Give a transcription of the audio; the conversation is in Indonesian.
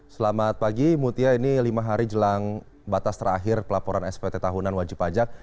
selamat pagi mutia ini lima hari jelang batas terakhir pelaporan spt tahunan wajib pajak